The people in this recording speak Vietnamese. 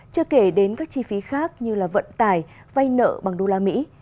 chưa kể đến các chi phí khác như vận tải vay nợ bằng đô la mỹ